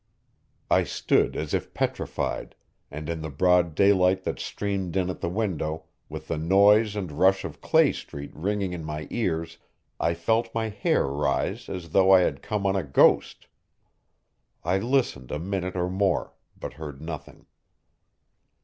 I stood as if petrified, and, in the broad daylight that streamed in at the window, with the noise and rush of Clay Street ringing in my ears, I felt my hair rise as though I had come on a ghost. I listened a minute or more, but heard nothing.